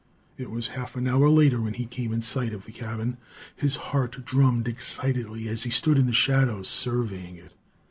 It was half an hour later when he came in sight of the cabin. His heart drummed excitedly as he stood in the shadows surveying it.